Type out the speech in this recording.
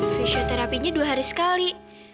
fisioterapinya dua hari sekali